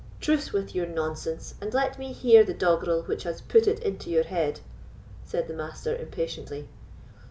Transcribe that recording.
"Truce with your nonsense, and let me hear the doggerel which has put it into your head," said the Master, impatiently.